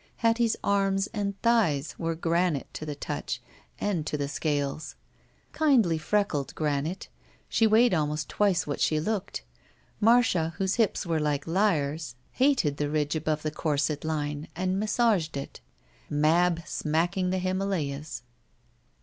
Hattie's arms and thighs were granite to the touch and to the scales. Kindly freckled granite. She weighed almost twice what she looked. Marcia, whose hips were like lyres, hated the ridge above the corset line and massaged it. Mab smacking the Himalayas.